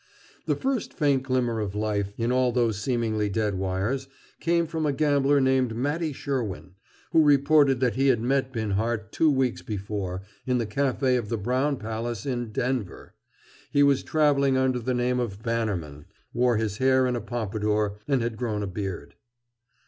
The first faint glimmer of life, in all those seemingly dead wires, came from a gambler named Mattie Sherwin, who reported that he had met Binhart, two weeks before, in the café of the Brown Palace in Denver. He was traveling under the name of Bannerman, wore his hair in a pomadour, and had grown a beard.